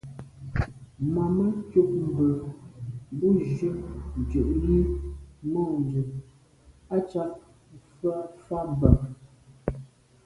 Màmá cúp mbə̄ bù jún ndʉ̌ʼ jí mû’ndʉ̀ à’ cák fá bə̀k.